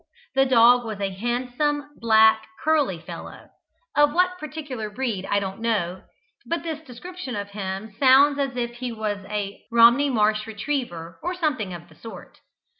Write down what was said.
The dog was a handsome, black, curly fellow; of what particular breed I don't know, but this description of him sounds as if he was a Romney Marsh retriever, or something of the sort.